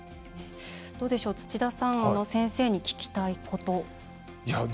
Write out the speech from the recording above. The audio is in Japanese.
どうでしょう、土田さん先生に聞きたいこと。